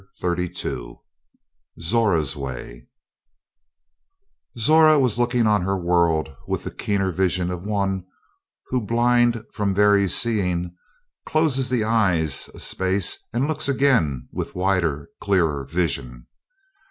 Thirty two ZORA'S WAY Zora was looking on her world with the keener vision of one who, blind from very seeing, closes the eyes a space and looks again with wider clearer vision.